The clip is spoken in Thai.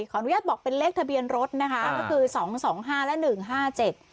อนุญาตบอกเป็นเลขทะเบียนรถนะคะก็คือสองสองห้าและหนึ่งห้าเจ็ด